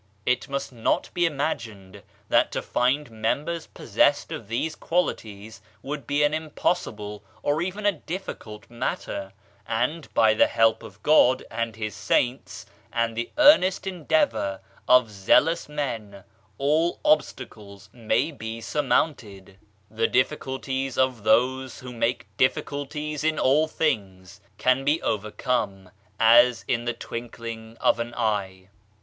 It must not be imagined that to find members possessed of these qualities would be an impossible, or even a difficult matter; and by the help of God and his sainte, and the earnest endeavor of zealous men, all obstacles may be surmounted. 24 Digitized by Google OF CIVILIZATION "The difficulties of those, who make difficulties in all things, can be overcome, as in the twinkling of an eye."